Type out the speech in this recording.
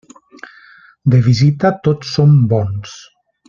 De visita, tots som bons.